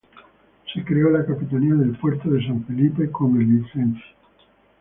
Se creó la Capitanía del Puerto de San Felipe, con el Lic.